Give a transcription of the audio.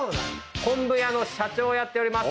昆布屋の社長をやっております